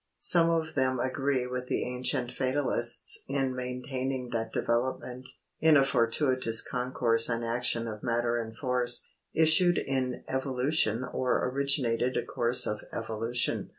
Some of them agree with the ancient Fatalists in maintaining that development, in a fortuitous concourse and action of matter and force, issued in evolution or originated a course of evolution.